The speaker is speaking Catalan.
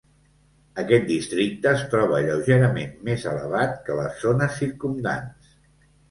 Aquest districte es troba lleugerament més elevat que les zones circumdants.